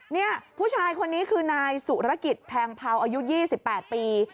นี่ผู้ชายคนนี้คือนายสุรกิจแพงเผาอายุ๒๘ปี